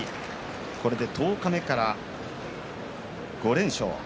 これで十日目から５連勝。